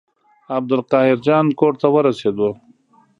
عبدالقاهر جان کور ته ورسېدو.